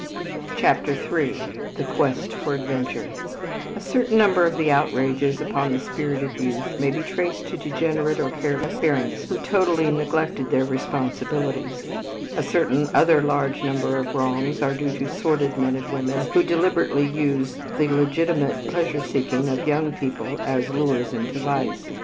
CHAPTER III THE QUEST FOR ADVENTURE A certain number of the outrages upon the spirit of youth may be traced to degenerate or careless parents who totally neglect their responsibilities; a certain other large number of wrongs are due to sordid men and women who deliberately use the legitimate pleasure seeking of young people as lures into vice.